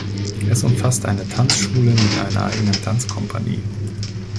Es umfasst eine Tanzschule mit einer eigenen Tanzkompanie.